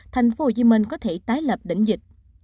tp hcm có thể tái lập đỉnh dịch